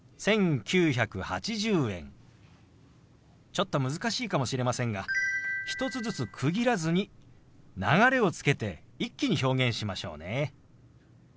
ちょっと難しいかもしれませんが１つずつ区切らずに流れをつけて一気に表現しましょうね。